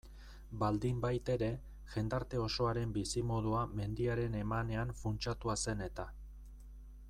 Baldinbaitere, jendarte osoaren bizimodua mendiaren emanean funtsatua zen eta.